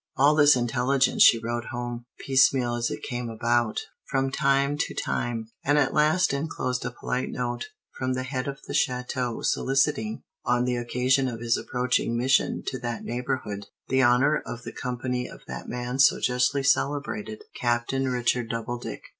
All this intelligence she wrote home, piecemeal as it came about, from time to time; and at last enclosed a polite note, from the head of the château, soliciting, on the occasion of his approaching mission to that neighborhood, the honor of the company of that man so justly celebrated, Captain Richard Doubledick.